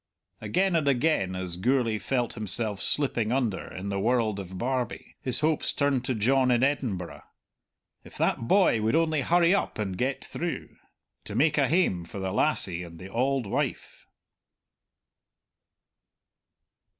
Again and again, as Gourlay felt himself slipping under in the world of Barbie, his hopes turned to John in Edinburgh. If that boy would only hurry up and get through, to make a hame for the lassie and the auld wife!